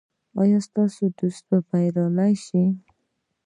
ایا ستاسو دوست به بریالی شي؟